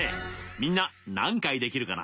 みんな何回できるかな